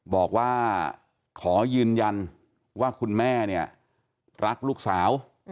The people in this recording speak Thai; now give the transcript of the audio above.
บอกว่าขอยืนยันว่าคุณแม่เนี่ยรักลูกสาว